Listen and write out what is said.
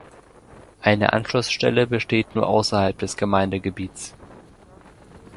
Eine Anschlussstelle besteht nur außerhalb des Gemeindegebiets.